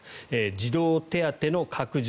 児童手当の拡充